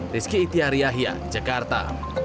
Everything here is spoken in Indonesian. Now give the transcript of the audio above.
rizky itiariahia jakarta